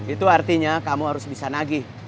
itu artinya kamu harus bisa nagih